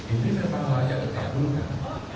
intinya pak paku layak dikabulkan